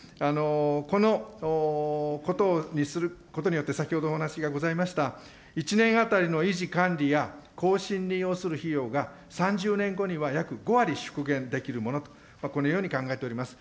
このことにすることによって、先ほどお話がございました、１年当たりの維持・管理や、更新に要する費用が３０年後には約５割、縮減できるものと、このように考えております。